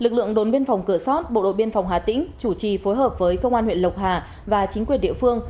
lực lượng đồn biên phòng cửa sót bộ đội biên phòng hà tĩnh chủ trì phối hợp với công an huyện lộc hà và chính quyền địa phương